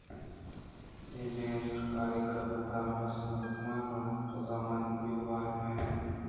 ا ے نیم سرکاری کار ءِ تہا لس مردماں رضامندی ہوار نہ بیت